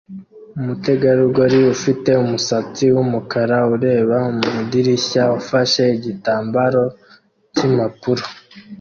Umutegarugori ufite umusatsi wumukara ureba mu idirishya ufashe igitambaro cyimpapuro